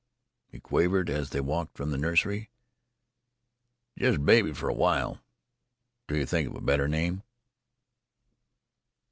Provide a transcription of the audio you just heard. he quavered as they walked from the nursery "just 'baby' for a while? till you think of a better name?"